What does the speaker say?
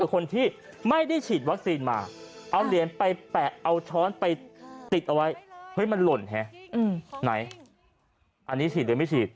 อันนี้ฉีดหรือไม่ฉีด